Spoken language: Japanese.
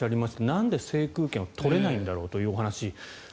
なんで制空権を取れないんだろうというお話。